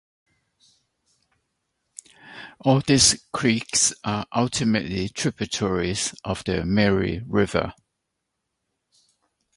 All of these creeks are ultimately tributaries of the Mary River.